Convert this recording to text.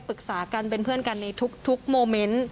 ปรึกษากันเป็นเพื่อนกันในทุกโมเมนต์